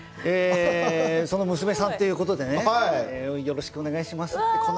その娘さんということでね「よろしくお願いします」って。